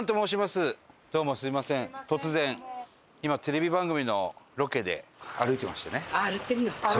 今テレビ番組のロケで歩いてましてね。